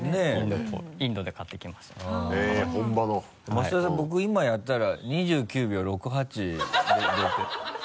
増田さん僕今やったら２９秒６８出て。